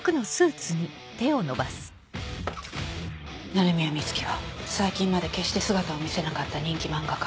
鳴宮美月は最近まで決して姿を見せなかった